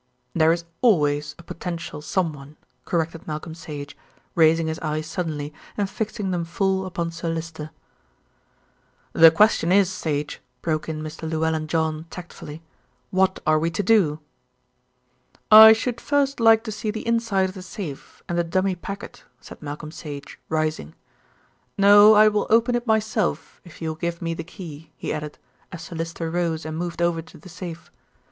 "There is always a potential someone," corrected Malcolm Sage, raising his eyes suddenly and fixing them full upon Sir Lyster. "The question is, Sage," broke in Mr. Llewellyn John tactfully, "what are we to do?" "I should first like to see the inside of the safe and the dummy packet," said Malcolm Sage, rising. "No, I will open it myself if you will give me the key," he added, as Sir Lyster rose and moved over to the safe.